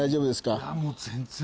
いやもう全然。